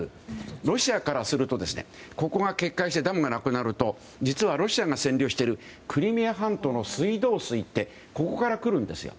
ロシアからすると、決壊してダムがなくなると実はロシアが占領しているクリミア半島の水道水ってここから来るんですよ。